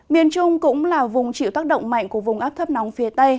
miền trung cũng là vùng chịu tác động mạnh của vùng áp thấp nóng phía tây